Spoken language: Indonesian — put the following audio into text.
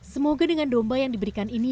semoga dengan domba yang diberikan ini